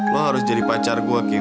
lo harus jadi pacar gue king